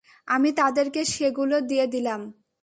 আমি তাদেরকে সেগুলো দিয়ে দিলাম।